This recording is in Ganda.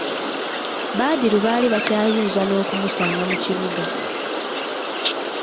Badru baali bakyayinza n'okumusanga mu kibuga.